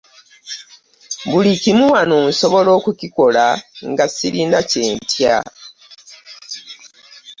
Buli kimu wano nsobola okukikola nga ssirina kye ntya.